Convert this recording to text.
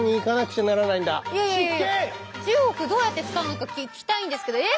どうやって使うのか聞きたいんですけどえっ？